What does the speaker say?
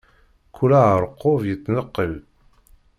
Kul aɛerqub yettneqqil.